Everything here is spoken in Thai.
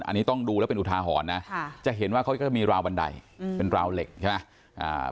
อันนี้ต้องดูแล้วเป็นอุทาหรณ์นะจะเห็นว่าเขาก็จะมีราวบันไดเป็นราวเหล็กใช่ไหม